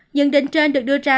nhận định trên được đưa ra